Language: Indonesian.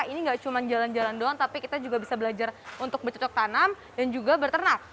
ini nggak cuma jalan jalan doang tapi kita juga bisa belajar untuk bercocok tanam dan juga berternak